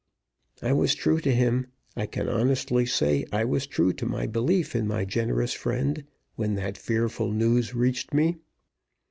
I was true to him I can honestly say I was true to my belief in my generous friend when that fearful news reached me.